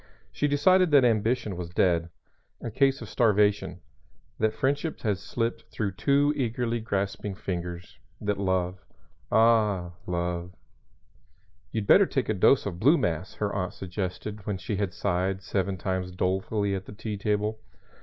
She decided that ambition was dead a case of starvation; that friendship had slipped through too eagerly grasping fingers; that love ah, love! "You'd better take a dose of blue mass," her aunt suggested when she had sighed seven times dolefully at the tea table.